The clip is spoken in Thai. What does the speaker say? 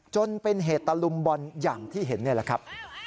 จนเป็นเหตุตะลุมบอลอย่างที่เห็นนี่แหละครับ